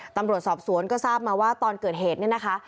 ตำรวจสอบสวนก็ทราบมาว่าตอนเกิดเหตุเนี่ยนะคะ